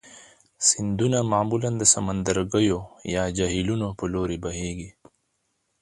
سیندونه معمولا د سمندرګیو یا جهیلونو په لوري بهیږي.